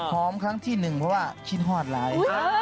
ผมของที่หนึ่งเพราะว่าจิ๊ววอดร้าย